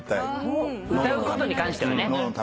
歌うことに関してはね。